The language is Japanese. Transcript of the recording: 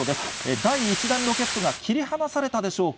第１弾ロケットが切り離されたでしょうか。